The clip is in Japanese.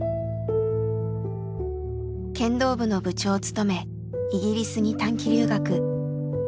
剣道部の部長を務めイギリスに短期留学。